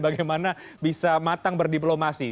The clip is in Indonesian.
bagaimana bisa matang berdiplomasi